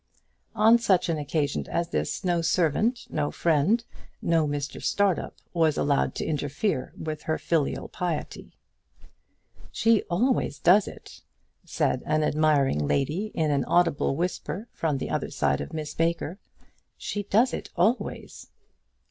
On such an occasion as this no servant, no friend, no Mr Startup, was allowed to interfere with her filial piety. "She does it always," said an admiring lady in an audible whisper from the other side of Miss Baker. "She does it always."